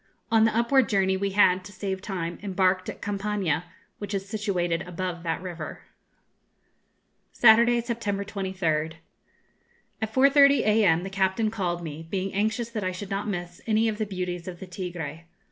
On the upward journey we had, to save time, embarked at Campaña, which is situated above that river. Saturday, September 23rd. At 4.30 a.m. the captain called me, being anxious that I should not miss any of the beauties of the Tigré.